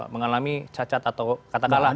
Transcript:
mengalami cacat atau kata kalah